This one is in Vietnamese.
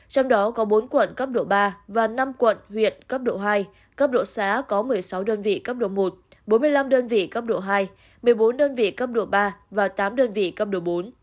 trong đó có bốn quận cấp độ ba và năm quận huyện cấp độ hai cấp độ xã có một mươi sáu đơn vị cấp độ một bốn mươi năm đơn vị cấp độ hai một mươi bốn đơn vị cấp độ ba và tám đơn vị cấp độ bốn